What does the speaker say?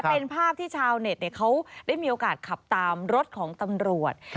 เป็นภาพที่ชาวเน็ตเขาได้มีโอกาสขับตามรถของตำรวจ